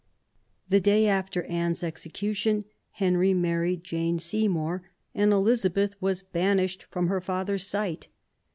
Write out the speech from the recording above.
The day after Anne's execution Henry married Jane Seymour, and Elizabeth was banished from her father's sight.